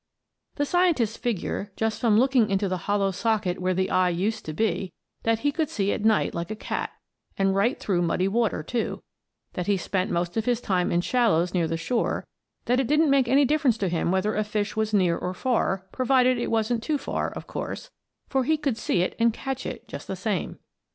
The scientists figure, just from looking into the hollow socket where the eye used to be, that he could see at night like a cat and right through muddy water, too; that he spent most of his time in shallows near the shore; that it didn't make any difference to him whether a fish was near or far, provided it wasn't too far, of course, for he could see it and catch it, just the same.